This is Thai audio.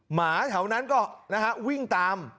หมาแถวนั้นก็นะฮะวิ่งตาม